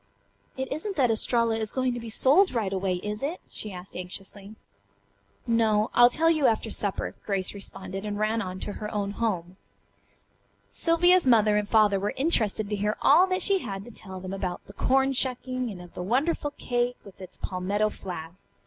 "It isn't that Estralla is going to be sold right away, is it?" she asked anxiously. "No. I'll tell you after supper," Grace responded and ran on to her own home. Sylvia's mother and father were interested to hear all that she had to tell them about the corn shucking, and of the wonderful cake with its palmetto flag.